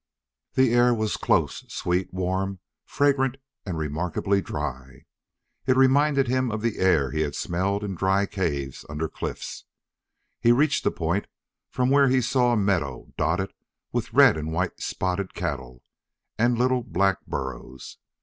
The air was close, sweet, warm, fragrant, and remarkably dry. It reminded him of the air he had smelled in dry caves under cliffs. He reached a point from where he saw a meadow dotted with red and white spotted cattle and little black burros.